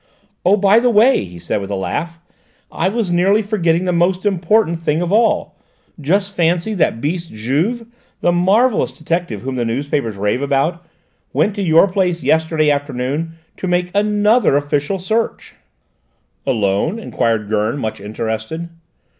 "Oh, by the way," he said with a laugh, "I was nearly forgetting the most important thing of all. Just fancy, that beast Juve, the marvellous detective whom the newspapers rave about, went to your place yesterday afternoon to make another official search!" "Alone?" enquired Gurn, much interested.